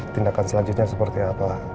tindakan selanjutnya seperti apa